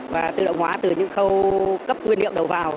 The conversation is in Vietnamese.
và tự động hóa từ những khâu cấp nguyên liệu đầu vào